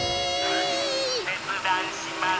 せつだんします。